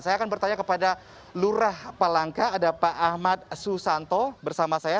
saya akan bertanya kepada lurah palangka ada pak ahmad susanto bersama saya